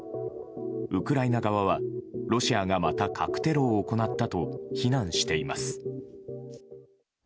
ウクライナ側はロシアがまた核テロを行ったと非難しています。